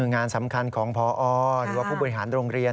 งานสำคัญของพอหรือว่าผู้บริหารโรงเรียน